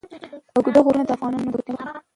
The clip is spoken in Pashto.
اوږده غرونه د افغانانو د ګټورتیا برخه ده.